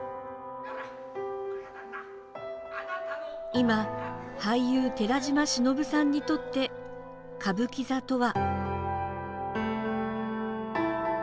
今、俳優、寺島しのぶさんにとって歌舞伎座とは。